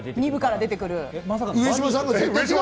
２部から出てくる。